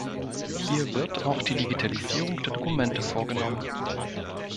Hier wird auch die Digitalisierung der Dokumente vorgenommen.